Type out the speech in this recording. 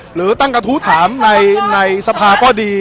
หรือตั้งกระทู้ถามในสภาก็ดี